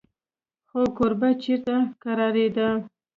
خو کوربه چېرته کرارېده.